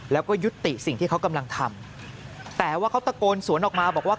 แล้วก็ยุติสิ่งที่เขากำลังทำแต่ว่าเขาตะโกนสวนออกมาบอกว่า